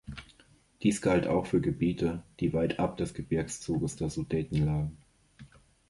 Dies galt auch für Gebiete, die weitab des Gebirgszuges der Sudeten lagen.